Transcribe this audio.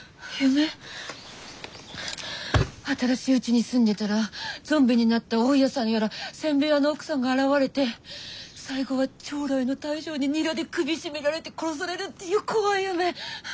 新しいうちに住んでたらゾンビになった大家さんやら煎餅屋の奥さんが現れて最後は朝來の大将にニラで首絞められて殺されるっていう怖い夢。